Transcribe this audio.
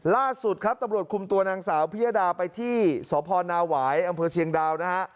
ล่าสุดครับตำรวจคุมตัวนางสาวพิยดาไปที่สพนาหวายอำเภอเชียงดาวนะฮะ